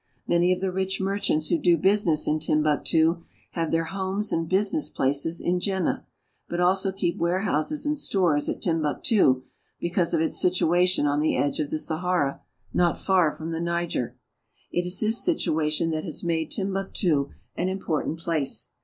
Many of the rich merchants who do business in Tiinbiiktii have their homes and business , but also keep warehouses and stores at Timbuktu because of its situation on the edge of the Sahara, not far from the Niger. It is this situation that has made Timbuktu an important place.